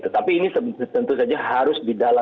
tapi ini tentu saja harus di dalam